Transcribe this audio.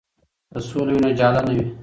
که سوله وي نو جاله نه وي.